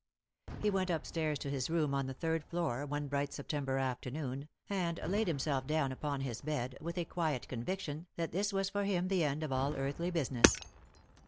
He went up stairs to his room on the third floor, one bright September afternoon, and laid himself down upon his bed, with a quiet conviction that this was for him the end of all earthly business.